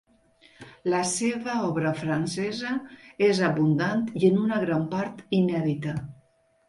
La seva obra francesa és abundant i en una gran part inèdita.